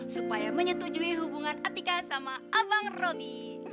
supaya menyetujui hubungan atika sama abang roby